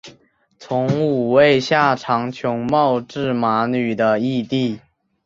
从五位下长岑茂智麻吕的义弟。